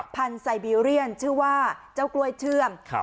พันธุ์ไซเบียเรียนชื่อว่าเจ้ากล้วยเชื่อมครับ